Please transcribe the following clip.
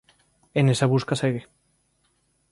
E nesa busca segue.